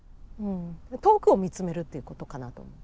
遠くを見つめるっていうことかなと。